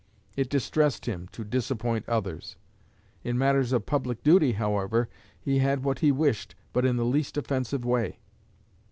It distressed him to disappoint others. In matters of public duty, however, he had what he wished, but in the least offensive way.